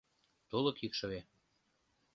Тулык икшыве.